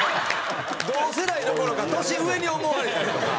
同世代どころか年上に思われたりとか。